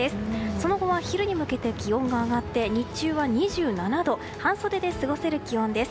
その後は昼に向けて気温が上がって日中は２７度半袖で過ごせる気温です。